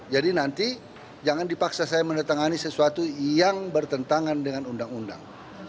jadi nanti jangan dipaksa saya mendatangani sesuatu yang bertentangan dengan undang undang